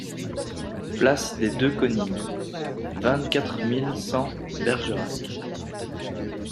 Place des Deux Conils, vingt-quatre mille cent Bergerac